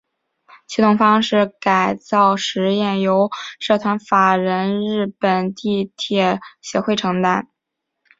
驱动方式改造试验由社团法人日本地铁协会承担。